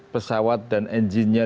pesawat dan engine nya